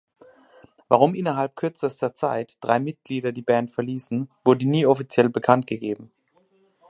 Warum innerhalb kürzester Zeit drei Mitglieder die Band verließen, wurde nie offiziell bekanntgegeben.